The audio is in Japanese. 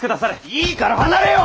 いいから離れよ！